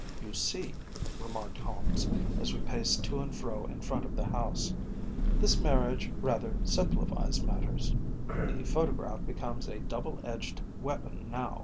“You see,‚ÄĚ remarked Holmes, as we paced to and fro in front of the house, “this marriage rather simplifies matters. The photograph becomes a double edged weapon now.